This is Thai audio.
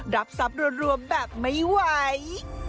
รับทรัพย์รวมแบบไม่ไหว